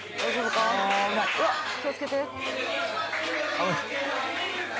危ない。